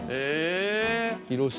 広島